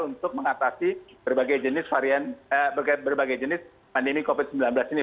untuk mengatasi berbagai jenis pandemi covid sembilan belas ini